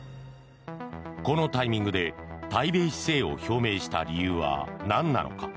このタイミングで対米姿勢を表明した理由は何なのか？